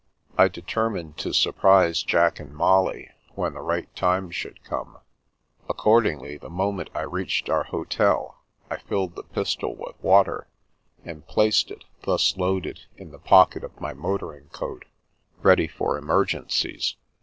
I determined to surprise Jack and Molly, when the right time should come ; accordingly, the moment I reached our hotel, I filled the pistol with water, and placed it, thus loaded, in the pocket of my motoring coat ready for emergencies.